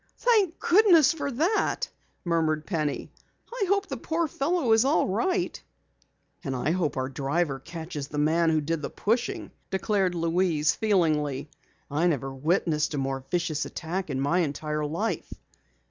"Thank goodness for that," murmured Penny. "I hope the poor fellow is all right." "And I hope our driver catches the man who did the pushing," declared Louise feelingly. "I never witnessed a more vicious attack in my entire life!"